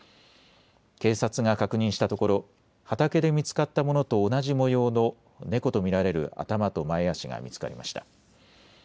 警察が確認したところ畑で見つかったものと同じ模様の猫と見られる頭と前足が見つかりました。